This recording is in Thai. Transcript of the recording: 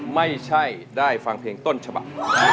ไม่ใช่ได้ฟังเพลงต้นฉบับ